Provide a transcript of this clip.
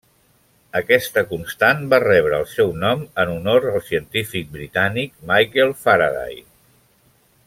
Aquesta constant va rebre el seu nom en honor al científic britànic Michael Faraday.